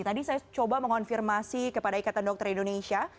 tadi saya coba mengonfirmasi kepada ikatan dokter indonesia